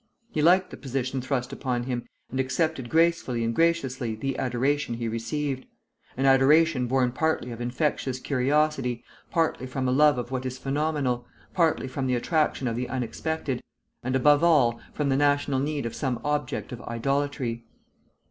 He liked the position thrust upon him, and accepted gracefully and graciously the adoration he received, an adoration born partly of infectious curiosity, partly from a love of what is phenomenal, partly from the attraction of the unexpected, and above all from the national need of some object of idolatry.